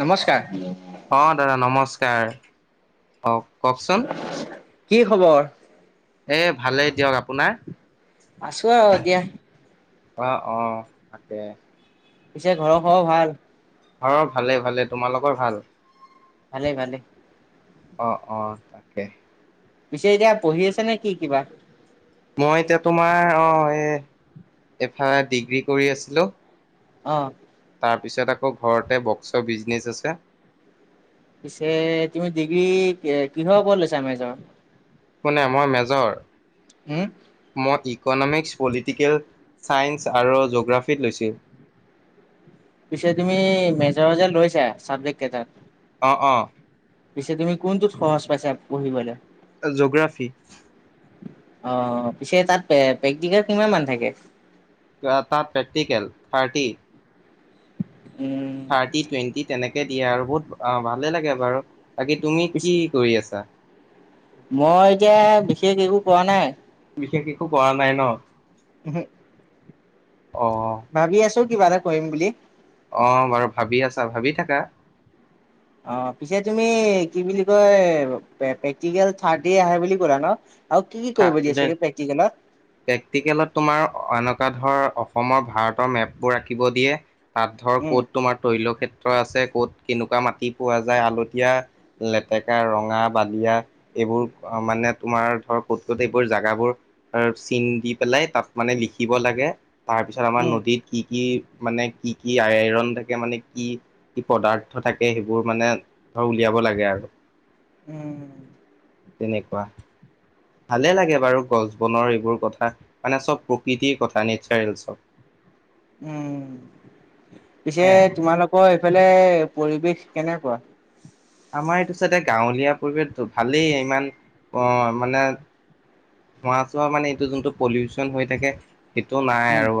নমস্কাৰ। অঁ দাদা নমস্কাৰ, কওঁক? কি খবৰ? এ ভালেই দিয়ক, আপোনাৰ? আছোঁ আৰু দিয়া। অ অ তাকে। পিছে ঘৰৰ খবৰ ভাল। ঘৰৰ ভালে ভালে তোমালোকৰ ভাল। ভালেই ভালে। অ অ তাকে। পিছে এতিয়া পঢ়ি আছে নে কি কিবা। মই এতিয়া তোমাৰ অ এই এফালে ডিগ্ৰী কৰি আছিলোঁ। অ। তাৰপিছত আকৌ ঘৰতে বক্সৰ বিজনেচ আছে। পিছে তুমি ডিগ্ৰী কিহৰ ওপৰত লৈছা মেজৰ। কোনে মই মেজৰ। উম। মই ইকনমিক্স, পলিটিকেল ছাইন্স আৰু জ'গ্ৰাফিত লৈছিলোঁ। পিছে তুমি মেজৰ যে লৈছা ছাবজেক্ট কেইটাত। অ অ। পিছে তুমি কোনটোত সহজ পাইছা পঢ়িবলৈ। জোগ্ৰাফি। অ পিছে তাত প্ৰেকটিকেল কিমান মান থাকে। তাত প্ৰেকটিকেল থাৰ্টি। উম। থাৰ্টি টুৱেণ্টি তেনেকে দিয়ে আৰু বহুত ভালেই লাগে বাৰু বাকী তুমি পিছ কি কৰি আছা। মই এতিয়া বিশেষ একো কৰা নাই। বিশেষ একো কৰা নাই ন? [unintelligible] অ অ। ভাবি আছোঁ কিবা এটা কৰিম বুলি। অ বাৰু ভাবি আছা ভাবি থাকা। অ পিছে তুমি কি বুলি কয় প্ৰেক্টিকেল থাৰ্তী আহে বুলি ক'লা ন? আৰু কি কি কৰিব দিয়ে থা চাগে প্ৰেক্টিকেলত? প্ৰেক্টিকেলত তোমাৰ এনেকুৱা ধৰ অসমৰ ভাৰতৰ মেপ বোৰ আকিব দিয়ে। তাত ধৰ উম, ক'ত তোমাৰ তৈলক্ষেত্ৰ আছে ক'ত কেনেকুৱা মাটি পোৱা যায় আলতীয়া। লেতেকা ৰঙা বালিয়া এইবোৰ মানে তোমাৰ ধৰক ক'ত ক'ত এইবোৰ জোগাবোৰ চিন দি পেলাই তাত মানে লিখিব লাগে তাৰ পিছত আমাৰ উম, নদীত কি কি মানে কি কি আইৰন থাকে মানে কি? কি পদাৰ্থ থাকে সেইবোৰ মানে ধৰ উলিয়াব লাগে আৰু। উম। তেনেকুৱা। ভালে লাগে বাৰু গছ বনৰ এইবোৰ কথা মানে চব প্ৰকৃতিৰ কথা নেচাৰেল চব। উম হে পিছে তোমালোকৰ এইফালে পৰিৱেশ কেনেকুৱা? আমাৰ এইটো চাইদে গাঁৱলীয়া পৰিৱেশ ভালেই ইমান অ মানে মহা চোৱা মানে এইটো যোনটো পলিউচন হৈ থাকে সেইটো নাই উম, আৰু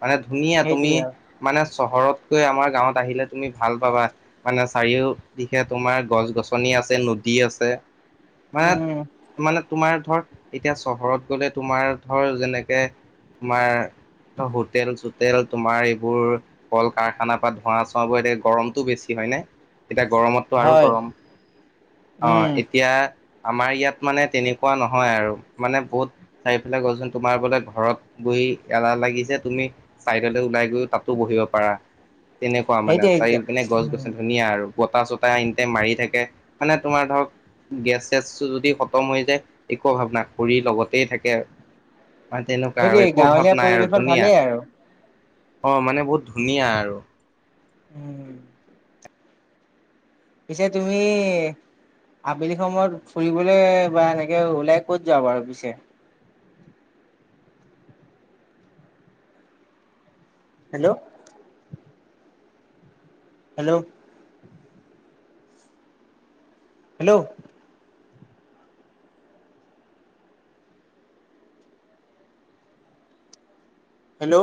মানে ধুনীয়া তুমি সেইটোৱে আৰু। মানে চহৰতকৈ আমাৰ গাঁৱত আহিলে তুমি ভাল পাবা মানে চাৰিও দিশে তোমাৰ গছ গছনি আছে নদী আছে। মানে উম, মানে তোমাৰ ধৰ এতিয়া চহৰত গ'লে তোমাৰ ধৰ যেনেকে তোমাৰ হোটেল-চোটেল তোমাৰ এইবোৰ কল কাৰখানা পৰা ধোঁৱা-চোৱা বোৰ, এতিয়া গৰমটো বেছি হয় নে, এতিয়া গৰমত আৰু হয়, গৰম, অ', উম, এতিয়া আমাৰ ইয়াত মানে তেনে কোৱা নহয় আৰু, মানে বহুত চাৰিফেলে কলচোন তোমাৰ বোলে ঘৰত বহি এলাহ লাগিছে, তুমি চাইডলৈ ওলাই গৈ তাতো বহিব পাৰা, তেনেকুৱা মানে, চাইও সেইটোৱে পিনে উম। গছ-গছনি ধুনীয়া আৰু। বতাহ চটা এনিতাইম মাৰি থাকে, মানে তোমাৰ ধৰক গেছ-চেছ যদি খতম হৈ যায় একো অভাৱ নাই, খৰি লগতেই থাকে। মানে তেনেকুৱা আৰু সেইটোৱে একো অভাৱ গাঁৱলীয়া নাই আৰু পৰিৱেশত ধুনীয়া। ভালেই আৰু। অ', মানে বহুত ধুনীয়া আৰু। উম। পিছে তুমি আবেলি সময়ত ফুৰিবলে বা এনেকে ওলাই ক'ত যাবা পিছে? হেল্ল'? হেল্ল'? হেল্ল'? হেল্ল'?